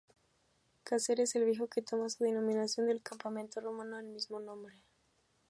Cáceres el Viejo', que toma su denominación del Campamento Romano del mismo nombre.